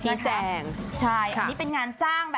ชี้แจงใช่อันนี้เป็นงานจ้างแบบ